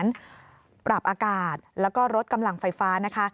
ปรับอากาศแล้วก็ลดกำลังไฟฟ้านะคะ